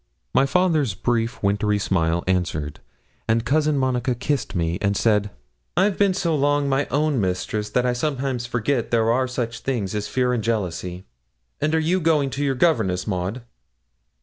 My father's brief wintry smile answered, and Cousin Monica kissed me, and said 'I've been so long my own mistress that I sometimes forget there are such things as fear and jealousy; and are you going to your governess, Maud?'